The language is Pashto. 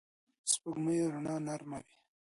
د سپوږمۍ رڼا نرمه ده